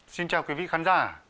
xin chào quý vị khán giả